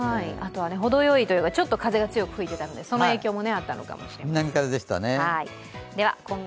程よいというか、ちょっと風が吹いていたのでその影響かもしれません。